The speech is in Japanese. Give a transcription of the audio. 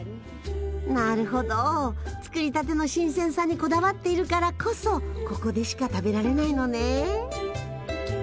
なるほど作りたての新鮮さにこだわっているからこそここでしか食べられないのね。